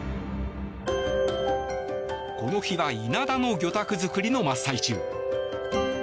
この日はイナダの魚拓作りの真っ最中。